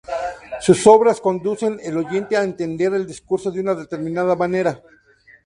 Sus obras conducen el oyente a entender el discurso de una determinada manera.